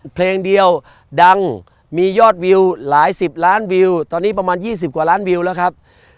เพลงเดียวดังมียอดวิวหลายสิบล้านวิวตอนนี้ประมาณ๒๐กว่าล้านวิวแล้วครับ